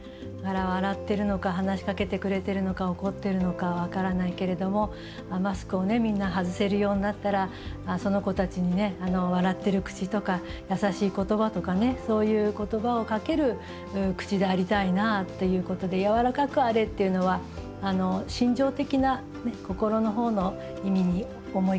笑ってるのか話しかけてくれてるのか怒ってるのかは分からないけれどもマスクをみんな外せるようになったらその子たちに笑ってる口とか優しい言葉とかねそういう言葉をかける口でありたいなっていうことで「柔らかくあれ」っていうのは心情的な心の方の意味に思いかなと思います。